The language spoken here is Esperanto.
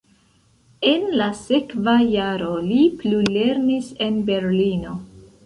En la sekva jaro li plulernis en Berlino.